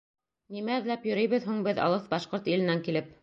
Нимә эҙләп йөрөйбөҙ һуң беҙ алыҫ башҡорт иленән килеп?